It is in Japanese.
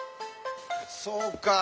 そうか。